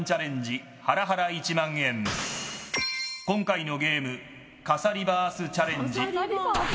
今回のゲーム傘リバースチャレンジ。